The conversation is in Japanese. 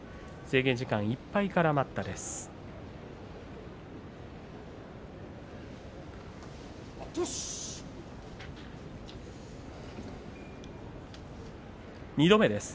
制限時間いっぱいから待ったです。